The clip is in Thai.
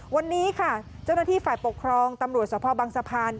วันนี้ค่ะเจ้าหน้าที่ฝ่ายปกครองตำรวจสภบังสะพาน